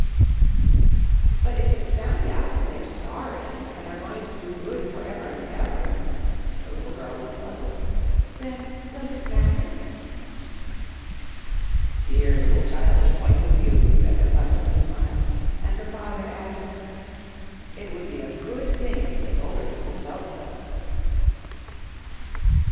But if it's found out that they're sorry and are going to do good for ever and ever," the little girl looked puzzled, " then does it mat ter?" " Dear little childish point of view," said her mother, with a smile, and her father added, " It would be a good thing if older people felt so."